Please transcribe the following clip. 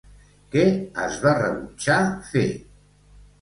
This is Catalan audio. Què es va rebutjar fer?